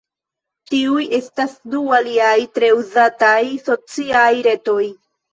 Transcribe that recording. Tiuj estas du aliaj tre uzataj sociaj retoj.